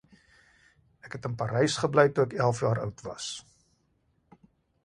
Ek het in Parys gebly toe ek elf jaar oud was